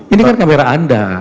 ini kan kamera anda